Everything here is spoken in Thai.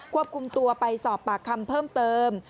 วบคุมตัวไปสอบปากคำเพิ่มเติม